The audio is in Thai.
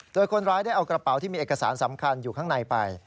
โดยคนร้ายได้เอากระเป๋าที่มีเอกสารสำคัญอยู่ข้างในไป